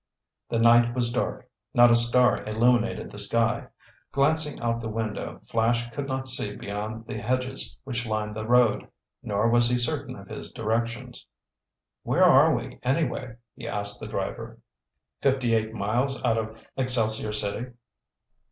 The night was dark. Not a star illuminated the sky. Glancing out the window, Flash could not see beyond the hedges which lined the road. Nor was he certain of his directions. "Where are we anyway?" he asked the driver. "Fifty eight miles out of Excelsior City."